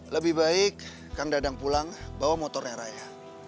lebih baik kang dadang pulang bawa motornya raya